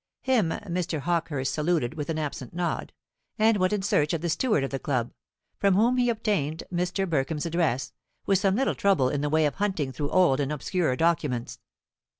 Him Mr. Hawkehurst saluted with an absent nod, and went in search of the steward of the club, from whom he obtained Mr. Burkham's address, with some little trouble in the way of hunting through old and obscure documents.